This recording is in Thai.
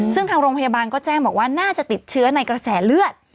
ซึ่งทางโรงพยาบาลก็แจ้งบอกว่าน่าจะติดเชื้อในกระแสเลือด